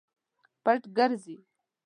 پټ ګرځي.